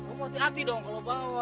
oh hati hati dong kalau bawa